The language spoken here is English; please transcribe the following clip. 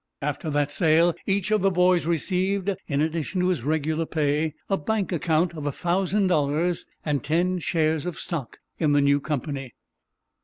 After that sale, each of the three boys received, in addition to his regular pay, a bank account of a thousand dollars and ten shares of stock in the new company.